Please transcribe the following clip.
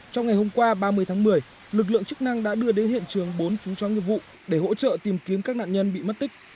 trong ngày hôm qua ba mươi tháng một mươi lực lượng chức năng đã đưa đến hiện trường bốn chúng cho nghiệp vụ để hỗ trợ tìm kiếm các nạn nhân bị mất tích